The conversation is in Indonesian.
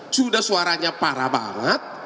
sudah suaranya parah banget